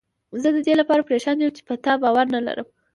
زه ددې لپاره پریشان یم چې په تا باور نه لرم.